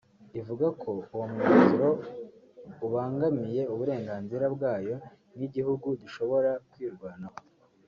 ivuga ko uwo mwanzuro ubangamiye uburenganzira bwayo nk’igihugu gishobora kwirwanaho